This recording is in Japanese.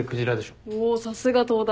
おさすが東大。